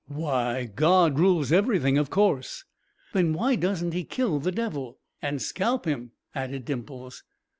"Why, God rules everything, of course." "Then why doesn't He kill the Devil?" "And scalp him?" added Dimples.